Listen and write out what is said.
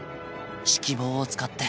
指揮棒を使って。